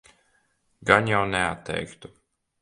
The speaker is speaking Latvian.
Gan jau neatteiktu.